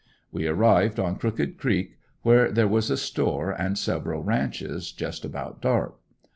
We arrived on Crooked Creek, where there was a store and several ranches, just about dark.